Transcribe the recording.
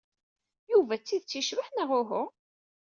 Yuba d tidet yecbeḥ neɣ uhu?